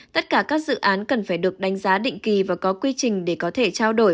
tất cả các dự án cần phải được đánh giá định kỳ và có quy trình để có thể trao đổi